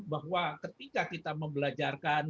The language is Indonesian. bahwa ketika kita membelajarkan